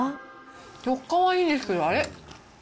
食感はいいですけど、あれ？